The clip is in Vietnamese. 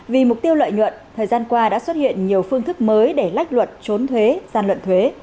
vì mục tiêu lợi nhuận thời gian qua đã xuất hiện nhiều phương thức mới để lách luật trốn thuế gian lận thuế